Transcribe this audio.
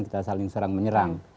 kita saling serang menyerang